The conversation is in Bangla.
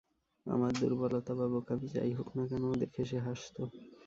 আমার দুর্বলতা বা বোকামি যাই হোক-না কেন, দেখে সে হাসত।